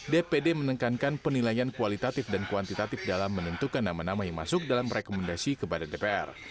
dpd menekankan penilaian kualitatif dan kuantitatif dalam menentukan nama nama yang masuk dalam rekomendasi kepada dpr